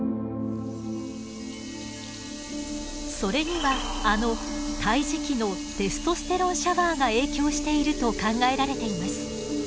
それにはあの胎児期のテストステロンシャワーが影響していると考えられています。